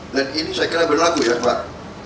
ini saya kira berlaku ya pak